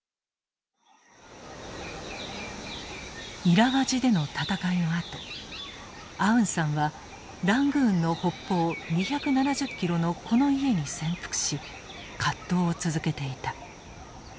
イラワジでの戦いのあとアウンサンはラングーンの北方２７０キロのこの家に潜伏し葛藤を続けていた。